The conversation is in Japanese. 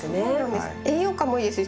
栄養価もいいです。